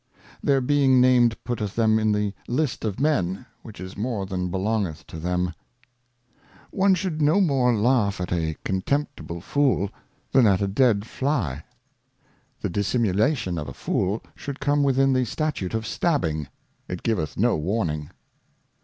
Their being named putteth them in the List of Men, which is more than belongeth to them. One Moral Thoughts and Reflections. 235 One should no more laugh at a contemptible Fool, than at a dead Fly. The Dissimulation of a Fool should come within the Statute of Stabbing. It giveth no Warning.